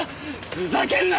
ふざけんな！